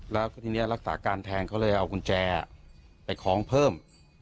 แล้วทีนี้รักษาการแทนเขาเลยเอากุญแจไปคล้องเพิ่ม